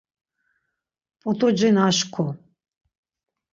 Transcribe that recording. p̌ut̆uci naşǩu.